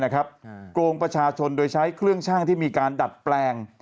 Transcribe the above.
โกงประชาชนโดยใช้เครื่องชั่งที่มีการดัดแปลง